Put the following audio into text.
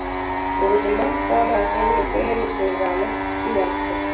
ubuzima bw’amaso n’imikorere y’urwungano rw’imyakura